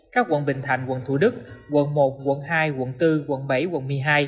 các quận bình thạnh quận thủ đức quận một quận hai quận bốn quận bảy quận một mươi hai